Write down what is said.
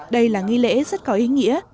đây là nghi lễ rất có ý nghĩa